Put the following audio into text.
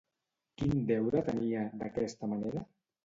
Quin deure tenia, d'aquesta manera?